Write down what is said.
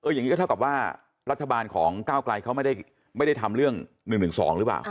อย่างนี้ก็เท่ากับว่ารัฐบาลของก้าวไกลเขาไม่ได้ทำเรื่อง๑๑๒หรือเปล่า